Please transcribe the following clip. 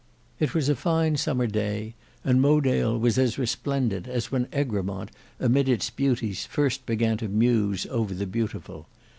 It was a fine summer day, and Mowedale was as resplendent as when Egremont amid its beauties first began to muse over the beautiful.